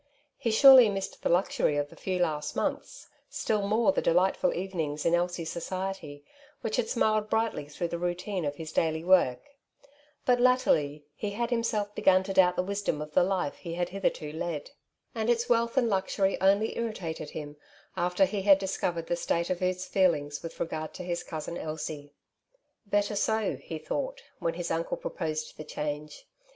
He surely missed the luxury of the few last months, still more the delightful evenings in Elsie's society which had smiled brightly through the routine of his daily work ; but latterly he had himself begun to doubt the wisdom of the life he had hitherto led, and its wealth and luxury only irritated him after he had discovered the state of his feelings with re gard to his cousin Elsie. '^ Better so," he thought, when his uncle proposed the change.